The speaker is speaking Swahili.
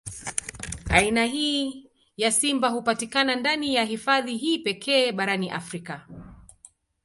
Aina hii ya simba hupatikana ndani ya hifadhi hii pekee barani Afrika.